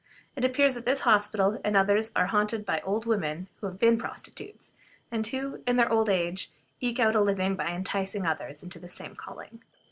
It appears that this hospital and others are haunted by old women who have been prostitutes, and who, in their old age, eke out a livelihood by enticing others into the same calling.